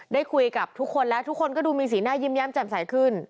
ได้คุยกับทุกคนแล้วทุกคนก็ดูมีสีหน้ายิ้มแย้มแจ่มใสขึ้น